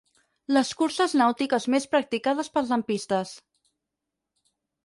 Les curses nàutiques més practicades pels lampistes.